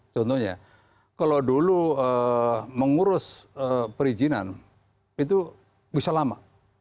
contohnya kalau dulu mengurus perizinan itu bisa lama